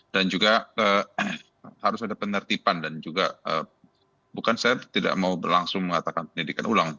dan juga harus ada penertiban dan juga bukan saya tidak mau berlangsung mengatakan penyelidikan ulang